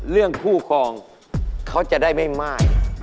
เรื่องคู่ครองเขาจะได้ไม่ม่าย